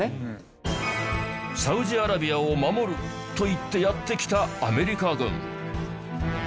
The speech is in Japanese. サウジアラビアを守ると言ってやって来たアメリカ軍